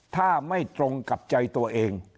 ถ้าไม่ตรงกับใจตัวเอง